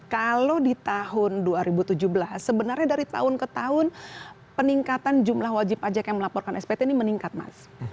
kalau di tahun dua ribu tujuh belas sebenarnya dari tahun ke tahun peningkatan jumlah wajib pajak yang melaporkan spt ini meningkat mas